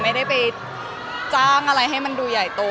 ไม่ได้ไปจ้างอะไรให้มันดูใหญ่โต